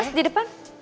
mas di depan